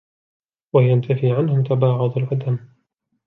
وَيَنْتَفِي عَنْهُمْ تَبَاغُضُ الْعَدَمِ